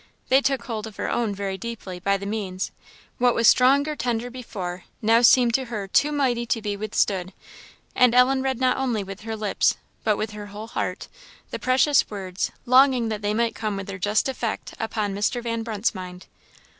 They took hold of her own very deeply, by the means; what was strong or tender, before, now seemed to her too mighty to be withstood; and Ellen read not only with her lips, but with her whole heart, the precious words, longing that they might come with their just effect upon Mr. Van Brunt's mind.